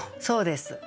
そうです。